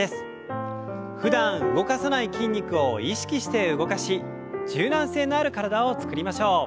ふだん動かさない筋肉を意識して動かし柔軟性のある体を作りましょう。